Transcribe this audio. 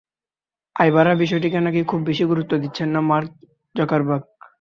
আয় বাড়ার বিষয়টিকে নাকি খুব বেশি গুরুত্ব দিচ্ছেন না মার্ক জাকারবার্গ।